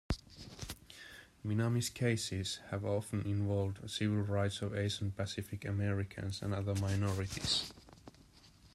Minami's cases have often involved the civil rights of Asian-Pacific Americans and other minorities.